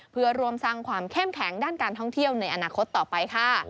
เพื่อร่วมสร้างความเข้มแข็งด้านการท่องเที่ยวในอนาคตต่อไปค่ะ